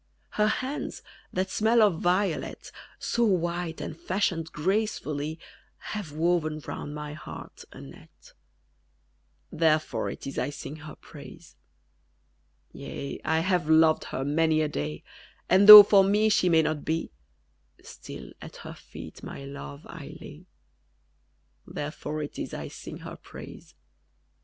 _ Her hands, that smell of violet, So white and fashioned gracefully, Have woven round my heart a net: Therefore it is I sing her praise. Yea, I have loved her many a day; And though for me she may not be, Still at her feet my love I lay: _Therefore it is I sing her praise.